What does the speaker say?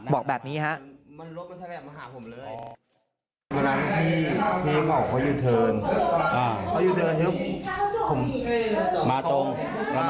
บอกแบบนี้ครับ